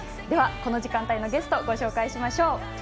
では、この時間帯のゲストご紹介しましょう。